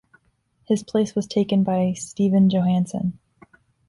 His place was taken by Stefan Johansson.